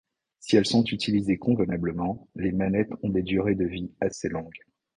Si elles sont utilisées convenablement, les manettes ont des durées de vie assez longues.